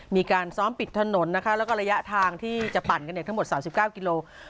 มีการซ้อมปิดถนนนะคะแล้วก็ระยะทางที่จะปั่นกันเนี่ยทั้งหมดสามสิบเก้ากิโลกรัม